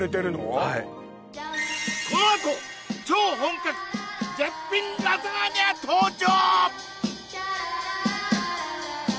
はいこのあと超本格絶品ラザーニャ登場！